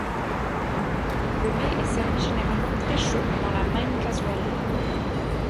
Le mets est servi généralement très chaud dans la même cazuela.